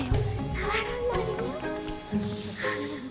触らないよ。